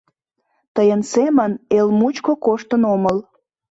Тыйын семын эл мучко коштын омыл.